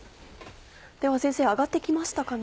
先生揚がって来ましたかね？